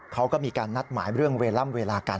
เขาก็มีการนัดหมายเรื่องเวล่ำเวลากัน